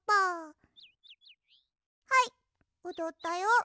はいおどったよ。